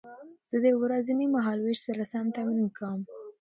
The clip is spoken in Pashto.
زه د ورځني مهالوېش سره سم تمرین کوم.